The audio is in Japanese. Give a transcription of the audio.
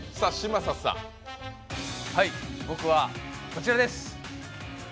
僕はこちらです。